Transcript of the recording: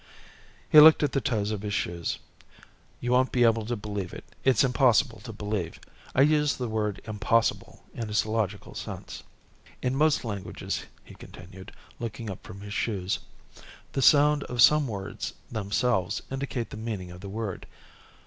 _He looked at the toes of his shoes. "You won't be able to believe it. It's impossible to believe. I use the word impossible in its logical sense._ "In most languages," he continued, looking up from his shoes, "the sound of some words themselves indicates the meaning of the word.